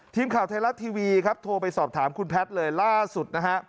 ทีมข่าวไทยรัฐทีวีครับโทรไปสอบถามคุณแพทย์เลยล่าสุดนะฮะ